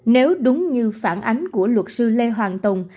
nếu đúng như phản ánh của luật sư lê hoàng tùng